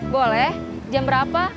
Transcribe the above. boleh jam berapa